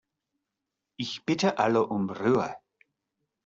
Ich bitte alle um Ruhe.